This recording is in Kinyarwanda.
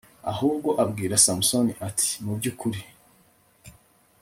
ahubwo abwira samusoni, ati mu by'ukuri